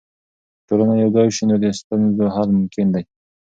که ټولنه یوځای سي، نو د ستونزو حل ممکن دی.